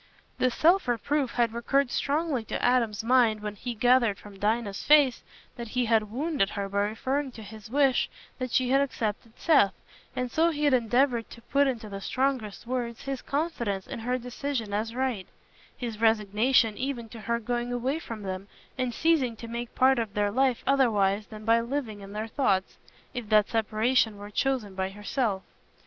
This self reproof had recurred strongly to Adam's mind when he gathered from Dinah's face that he had wounded her by referring to his wish that she had accepted Seth, and so he had endeavoured to put into the strongest words his confidence in her decision as right—his resignation even to her going away from them and ceasing to make part of their life otherwise than by living in their thoughts, if that separation were chosen by herself.